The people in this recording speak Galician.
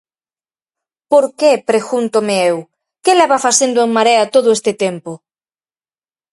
Por que, pregúntome eu... ¿Que leva facendo En Marea todo este tempo?